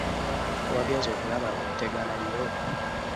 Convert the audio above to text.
Wagenze okulaba nga otegana nnyo?